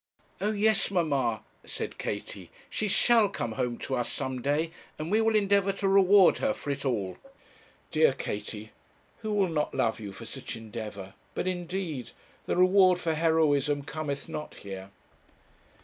'Oh yes, mamma,' said Katie. 'She shall come home to us some day, and we will endeavour to reward her for it all.' Dear Katie, who will not love you for such endeavour? But, indeed, the reward for heroism cometh not here.